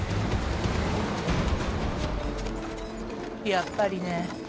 やっぱりね。